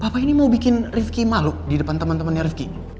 papa ini mau bikin riffky malu di depan temen temennya riffky